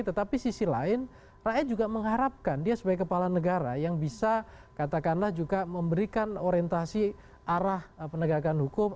tetapi sisi lain rakyat juga mengharapkan dia sebagai kepala negara yang bisa katakanlah juga memberikan orientasi arah penegakan hukum